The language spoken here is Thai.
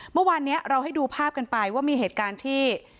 เมื่อวานนี้เราให้ดูภาพกันไปว่ามีเหตุการณ์ที่